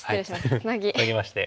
つなぎまして。